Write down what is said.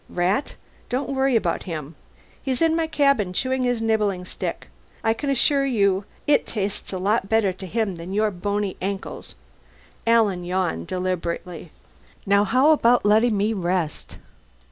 "Rat? Don't worry about him. He's in my cabin, chewing his nibbling stick. I can assure you it tastes a lot better to him than your bony ankles." Alan yawned deliberately. "Now how about letting me rest?"